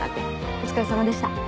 お疲れさまでした。